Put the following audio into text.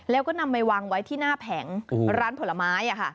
แล้วก็นำไปวางไว้ที่หน้าแผงร้านผลไม้